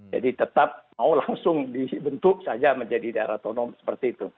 jadi tetap mau langsung dibentuk saja menjadi daerah otonom seperti itu